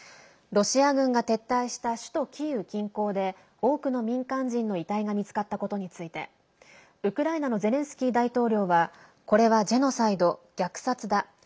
ロシア軍が撤退した首都キーウ近郊で多くの民間人の遺体が見つかったことについてウクライナのゼレンスキー大統領はこれはジェノサイド、虐殺だ。